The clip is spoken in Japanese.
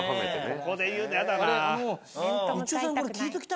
ここで言うのやだな。